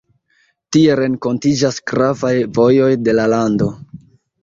Tie renkontiĝas gravaj vojoj de la lando.